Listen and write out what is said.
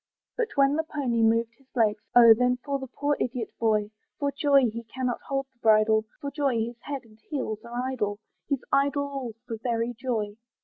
But when the pony moved his legs, Oh! then for the poor idiot boy! For joy he cannot hold the bridle, For joy his head and heels are idle, He's idle all for very joy.